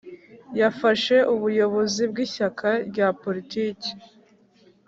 yafashe ubuyobozi bw'ishyaka rya politiki.